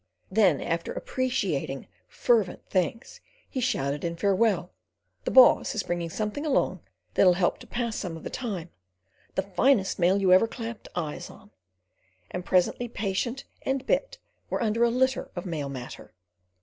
Then, after appreciating fervent thanks, he shouted in farewell: "The boss is bringing something along that'll help to pass some of the time—the finest mail you ever clapped eyes on," and presently patient and bed were under a litter of mail matter.